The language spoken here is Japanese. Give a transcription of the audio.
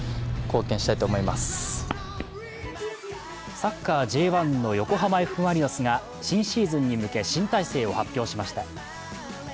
サッカーＪ１の横浜Ｆ・マリノスが新シーズンに向け新体制を発表しました。